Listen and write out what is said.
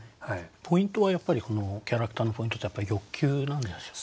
ポイントはやっぱりキャラクターのポイントってやっぱり欲求なんですよね？